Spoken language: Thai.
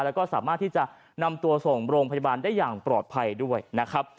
แล้วก็สามารถที่จะนำตัวส่งโรงพยาบาลได้อย่างปลอดภัยด้วยนะครับ